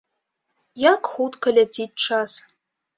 Як хутка ляціць час.